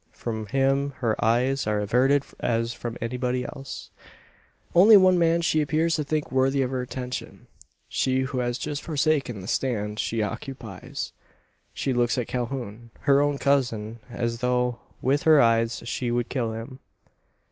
From him her eyes are averted as from everybody else. Only one man she appears to think worthy of her attention he who has just forsaken the stand she occupies. She looks at Calhoun, her own cousin as though with her eyes she would kill him.